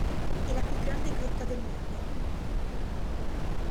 È la più grande grotta del mondo.